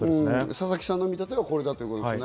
佐々木さんの見立てはこれだということですね。